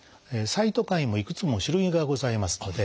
サイトカインもいくつも種類がございますので。